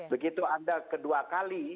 begitu anda kedua kali